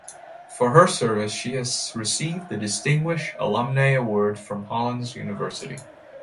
For her service she has received the Distinguished Alumnae Award from Hollins University.